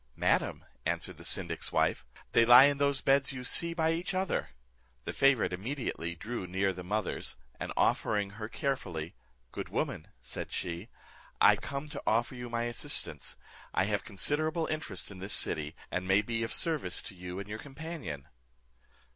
"Madam," answered the syndic's wife, "they lie in those beds you see by each other." The favourite immediately drew near the mother's, and viewing her carefully, "Good woman," said she, "I come to offer you my assistance: I have considerable interest in this city, and may be of service to you and your companion."